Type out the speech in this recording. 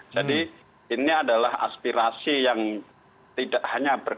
jadi ini adalah aspek yang sangat penting untuk memiliki kemampuan yang baik